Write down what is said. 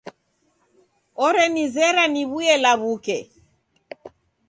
Orenizera niw'uye law'uke.